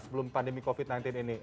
sebelum pandemi covid sembilan belas ini